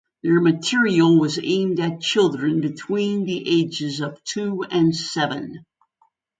Their material was aimed at children between the ages of two and seven.